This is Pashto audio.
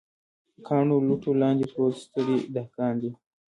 کاڼو، لوټو لاندې پروت ستړی دهقان دی